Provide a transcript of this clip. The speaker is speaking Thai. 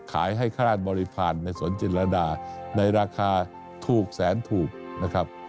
ขายให้ข้าราชบริพาณในสวนจินรดาในราคาถูกแสนถูกนะครับ